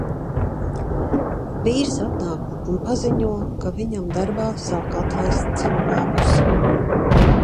Vīrs atnāk un paziņo, ka viņam darbā sāk atlaist cilvēkus.